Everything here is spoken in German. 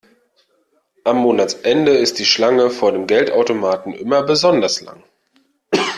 Am Monatsende ist die Schlange vor dem Geldautomaten immer besonders lang.